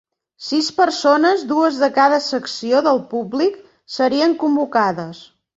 Sis persones, dues de cada secció del públic, serien convocades.